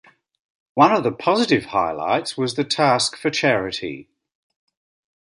One of the positive highlights was the task for charity.